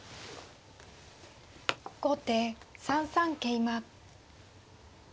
後手３三桂馬。